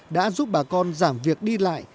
đã giúp bà con giảm việc đi lại